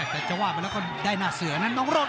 แต่จะว่าไปแล้วก็ได้หน้าเสือนะน้องรถ